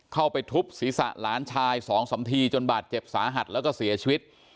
เข้าไปทุบศีรษะหลานชาย๒๓ทีจนบาดเจ็บสาหัสแล้วก็เสียชีวิต